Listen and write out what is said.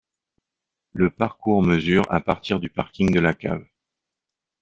Le parcours mesure à partir du parking de la cave.